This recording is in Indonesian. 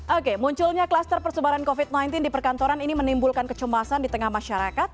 oke munculnya kluster persebaran covid sembilan belas di perkantoran ini menimbulkan kecemasan di tengah masyarakat